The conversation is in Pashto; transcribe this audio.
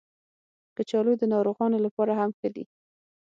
کچالو د ناروغانو لپاره هم ښه دي